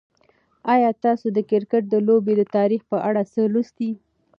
آیا تاسو د کرکټ د لوبې د تاریخ په اړه څه لوستي؟